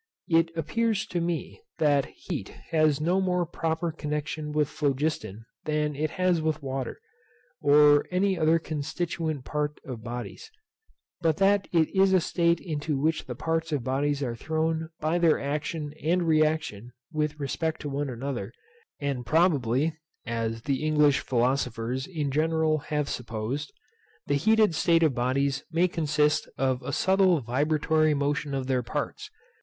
It appears to me that heat has no more proper connexion with phlogiston than it has with water, or any other constituent part of bodies; but that it is a state into which the parts of bodies are thrown by their action and reaction with respect to one another; and probably (as the English philosophers in general have supposed) the heated state of bodies may consist of a subtle vibratory motion of their parts.